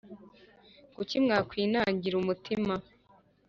Kuki mwakwinangira umutima